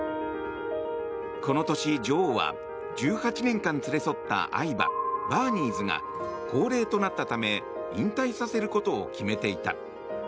この年、女王は１８年間連れ添った愛馬バーニーズが高齢となったため引退させることを決めていた。